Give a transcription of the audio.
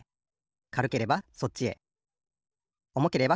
かるければそっち。